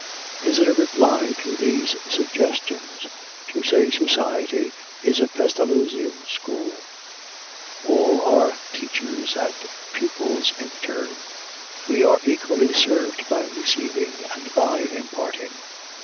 Is it a reply to these suggestions, to say society is a Pestalozzian school; all are teachers and pupils in turn. We are equally served by receiving and by imparting.